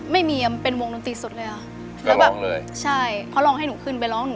ไม่มีอ่ะมันเป็นวงดนตรีสุดเลยอ่ะก็ร้องเลยใช่เค้าร้องให้หนูขึ้นไปร้องหนู